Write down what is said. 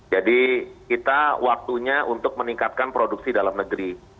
jadi kita waktunya untuk meningkatkan produksi dalam negeri